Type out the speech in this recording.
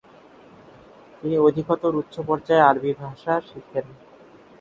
তিনি অধিকতর উচ্চ পর্যায়ে আরবি ভাষা শেখেন।